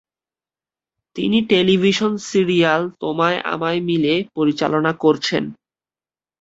তিনি television serial তোমায় আমায় মিলে পরিচালনা করছেন।